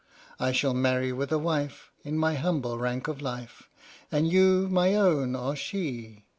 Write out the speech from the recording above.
I shall marry with a wife In my humble rank of life, And you, my own, are she!